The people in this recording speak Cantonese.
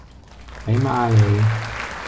鬼馬呀你！